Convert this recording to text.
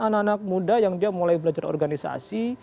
anak anak muda yang dia mulai belajar organisasi